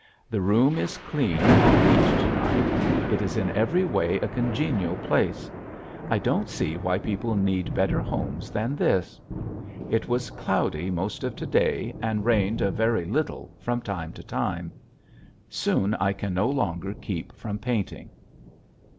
The room is clean and neat to night; it is in every way a congenial place. I don't see why people need better homes than this. It was cloudy most of to day and rained a very little from time to time. Soon I can no longer keep from painting.